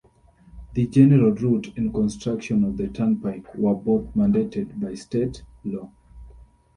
The general route and construction of the Turnpike were both mandated by state law.